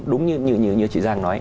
đúng như chị giang nói